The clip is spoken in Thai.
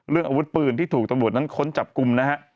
อาวุธปืนที่ถูกตำรวจนั้นค้นจับกลุ่มนะฮะ